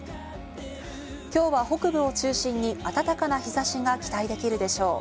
今日は北部を中心に暖かな日差しが期待できるでしょう。